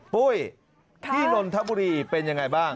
ปุ้ยที่นนทบุรีเป็นยังไงบ้าง